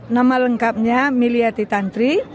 nama lengkapnya mili yati tantri